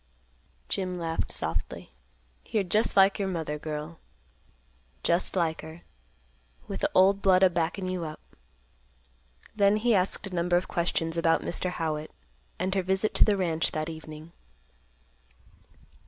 Jim laughed softly; "You're just like your mother, girl. Just like her, with the old blood a backin' you up." Then he asked a number of questions about Mr. Howitt, and her visit to the ranch that evening.